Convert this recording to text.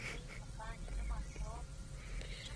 هغه د ماشومانو تعلیم ته ځانګړې پاملرنه وکړه.